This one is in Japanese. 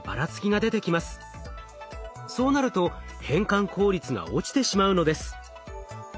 そうなると変換効率が落ちてしまうのです。